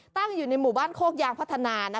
ตั้งอยู่ในหมู่บ้านโคกยางพัฒนา